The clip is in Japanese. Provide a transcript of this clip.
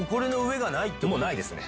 もうないですね。